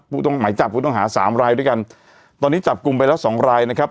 ต้องหมายจับผู้ต้องหาสามรายด้วยกันตอนนี้จับกลุ่มไปแล้วสองรายนะครับ